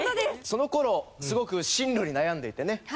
その頃すごく進路に悩んでいてね。